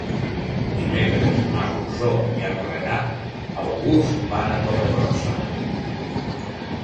Dimecres na Rosó i en Renat August van a Torregrossa.